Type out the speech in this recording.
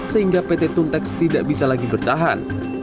sehingga pt tuntex tidak bisa lagi bertahan